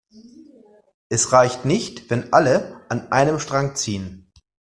Es reicht nicht, wenn alle an einem Strang ziehen.